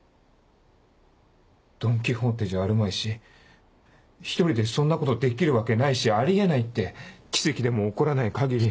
ドン・キホーテじゃあるまいし一人でそんなことできるわけないしあり得ないって奇跡でも起こらない限り。